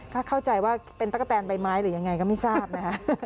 ถ้าเข้าใจว่าเป็นตะกะแตนใบไม้หรือยังไงก็ไม่ทราบนะคะ